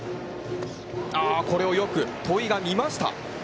これをよく戸井が見ました。